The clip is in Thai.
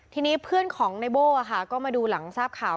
ทีนี้เพื่อนของในโบ้ก็มาดูหลังทราบข่าว